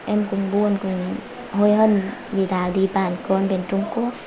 giờ thì em cũng buồn cũng hối hận vì đã đi bán con bên trung quốc